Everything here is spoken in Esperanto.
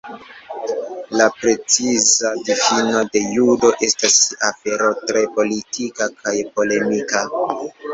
La preciza difino de "Judo" estas afero tre politika kaj polemika.